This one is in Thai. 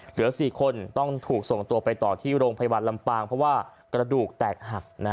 เหลือ๔คนต้องถูกส่งตัวไปต่อที่โรงพยาบาลลำปางเพราะว่ากระดูกแตกหัก